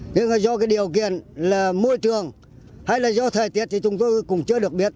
nhưng do điều kiện môi trường hay là do thời tiết thì chúng tôi cũng chưa được biết